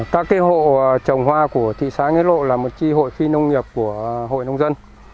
các hộ trồng hoa của thị xã nghĩa lộ là một tri hội phi nông nghiệp của hội nông dân